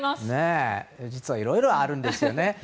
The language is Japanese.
実はいろいろあるんですよね。